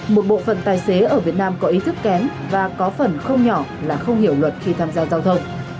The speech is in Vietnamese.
một bộ phận tài xế ở việt nam có ý thức kém và có phần không nhỏ là không hiểu luật khi tham gia giao thông